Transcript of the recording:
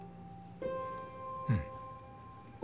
うん。